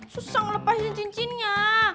susah ngelepasin cincinnya